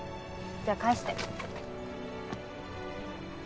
じゃあ返して。